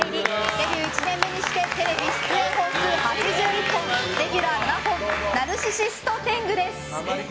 デビュー１年目にしてテレビ出演本数８１本レギュラー７本ナルシシスト天狗です。